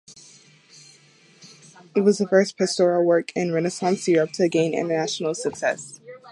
It was the first "pastoral" work in Renaissance Europe to gain international success.